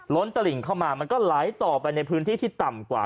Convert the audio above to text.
ตลิ่งเข้ามามันก็ไหลต่อไปในพื้นที่ที่ต่ำกว่า